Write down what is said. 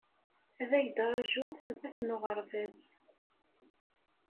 Ad ak-d-rajuɣ sdat n uɣerbaz